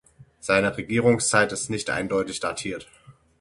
Seine Regierungszeit ist nicht eindeutig datiert.